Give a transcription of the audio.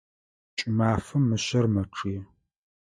Кӏымафэм мышъэр мэчъые.